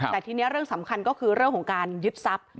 แต่ทีนี้เรื่องสำคัญก็คือเรื่องของการยึดทรัพย์